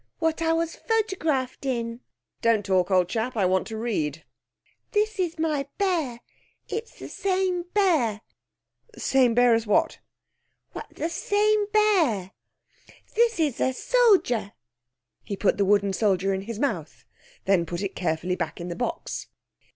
'What I was photographed in.' 'Don't talk, old chap. I want to read.' 'This is my bear. It's the same bear.' 'The same bear as what?' 'Why, the same bear! This is a soldier.' He put the wooden soldier in his mouth, then put it carefully back in the box.